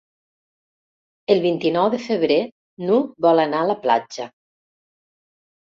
El vint-i-nou de febrer n'Hug vol anar a la platja.